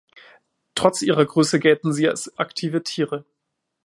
Trotz ihrer Größe gelten sie als aktive Tiere.